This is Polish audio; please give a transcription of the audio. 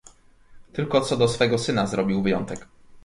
"Tylko co do swego syna zrobił wyjątek."